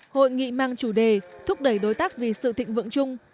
hội nghị mang chủ đề thúc đẩy đối tác vì sự thịnh vượng chung